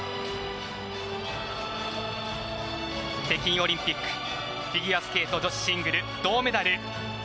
北京オリンピックフィギュアスケート女子シングル銅メダル